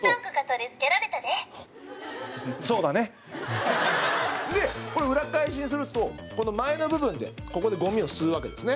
土田：これ、裏返しにするとこの前の部分でここで、ゴミを吸うわけですね。